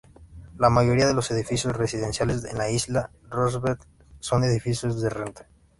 La mayoría de los edificios residenciales en la Isla Roosevelt son edificios de renta.